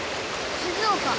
静岡。